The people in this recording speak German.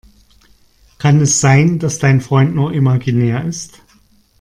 Kann es sein, dass dein Freund nur imaginär ist?